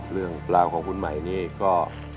เรื่องราวของคุณใหม่นี่ก็